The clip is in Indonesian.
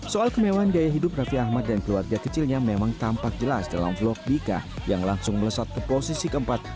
soal kemewahan gaya hidup raffi ahmad dan keluarga kecilnya memang tampak jelas dalam vlog dika yang langsung melesat ke posisi keempat